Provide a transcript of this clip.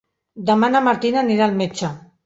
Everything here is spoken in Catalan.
Demà na Martina anirà al metge.